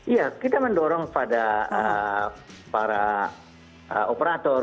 ya kita mendorong pada para operator